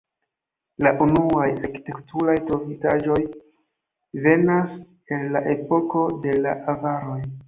La unuaj arkitekturaj trovitaĵoj venas el la epoko de la avaroj.